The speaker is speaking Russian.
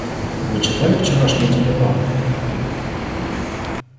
Вы читали вчерашнюю телеграмму?